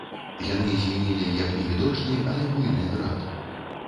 Яны звінелі, як невідочны, але буйны град.